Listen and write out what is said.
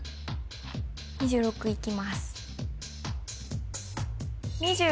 ２６いきます